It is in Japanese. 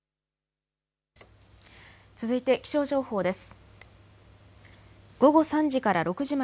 続いて気象情報です。